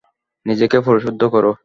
নিজেকে পরিশুদ্ধ করো।